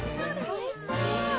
おいしそう。